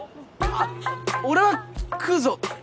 あっ俺は食うぞ。